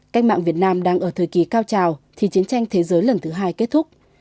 cách mạng việt nam đang ở thời kỳ cao trào khi chiến tranh thế giới lần thứ hai kết thúc